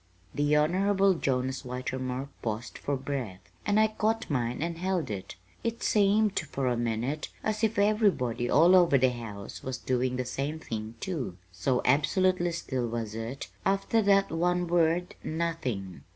The Honorable Jonas Whitermore paused for breath, and I caught mine and held it. It seemed, for a minute, as if everybody all over the house was doing the same thing, too, so absolutely still was it, after that one word "nothing."